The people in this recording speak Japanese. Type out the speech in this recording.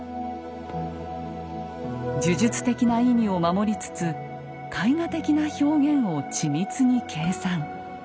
呪術的な意味を守りつつ絵画的な表現を緻密に計算。